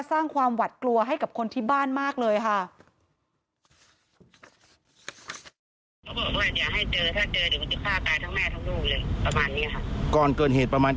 สร้างความหวัดกลัวให้กับคนที่บ้านมากเลยค่ะ